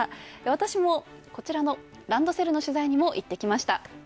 私も、こちらのランドセルの取材にも行ってきました。